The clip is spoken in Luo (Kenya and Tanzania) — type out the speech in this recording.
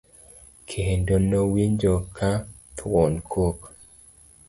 kendo nowinjo ka thuon kok